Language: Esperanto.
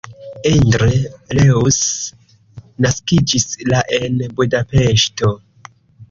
Endre Reuss naskiĝis la en Budapeŝto.